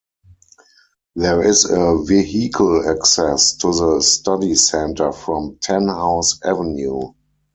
There is a vehicle access to the study centre from Tanhouse Avenue.